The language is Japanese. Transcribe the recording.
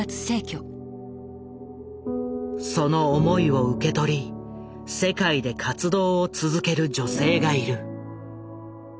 その思いを受け取り世界で活動を続ける女性がいる。